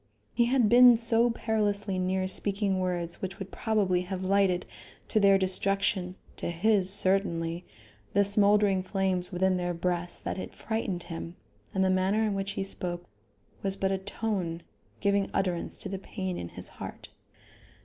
He had been so perilously near speaking words which would probably have lighted, to their destruction to his, certainly the smoldering flames within their breast that it frightened him, and the manner in which he spoke was but a tone giving utterance to the pain in his heart.